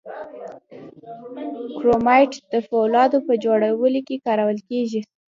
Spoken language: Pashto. کرومایټ د فولادو په جوړولو کې کارول کیږي.